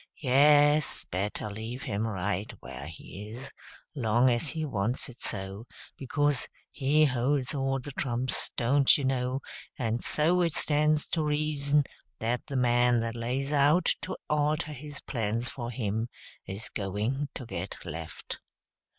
Yes, better leave him right wher' he is, long as he wants it so; becuz he holds all the trumps, don't you know, and so it stands to reason that the man that lays out to alter his plans for him is going to get left."